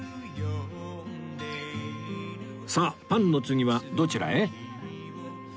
さあパンの次はどちらへ？